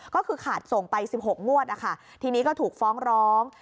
ก็คือขาดส่งไป๑๖งวดนะคะทีนี้ก็ถูกฟ้องร้อง